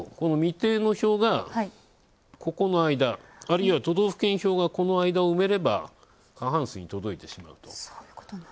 そうすると、未定の票がここの間、あるいは都道府県票がこの間を埋めれば、過半数に届いてしまいます。